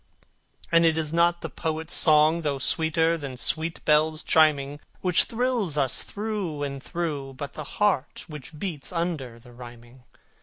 And it is not the poet's song, though sweeter than sweet bells chiming, Which thrills us through and through, but the heart which beats under the rhyming.